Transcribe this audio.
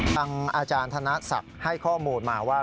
อาจารย์ธนศักดิ์ให้ข้อมูลมาว่า